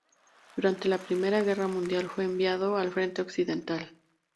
Durante la Primera Guerra Mundial fue enviado al frente occidental.